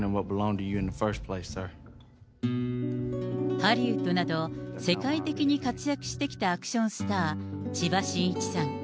ハリウッドなど、世界的に活躍してきたアクションスター、千葉真一さん。